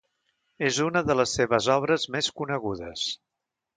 És una de les seves obres més conegudes.